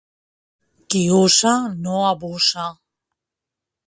Qui usa no abusa.